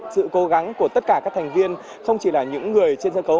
sự cố gắng của tất cả các thành viên không chỉ là những người trên sân khấu